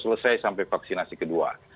selesai sampai vaksinasi kedua